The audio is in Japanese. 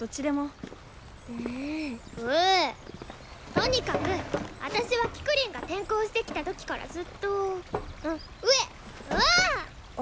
とにかく私はキクリンが転校してきた時からずっとうえっ！ああ！